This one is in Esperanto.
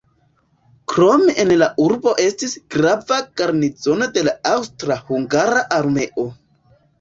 Krome en la urbo estis grava garnizono de la aŭstra-hungara armeo.